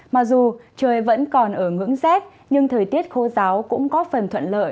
mà dù trời vẫn còn ở ngưỡng dép nhưng thời tiết khô giáo cũng có phần thuận lợi